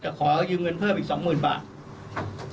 จะขอยืมเงินเพิ่มอีก๒หมื่นบาท